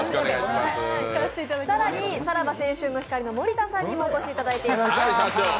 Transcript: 更に、さらば青春の光の森田さんにもお越しいただいています。